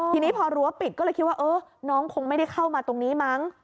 ทีนี้พอรั้วปิดก็เลยคิดว่าเออน้องคงไม่ได้เข้ามาตรงนี้มั้ง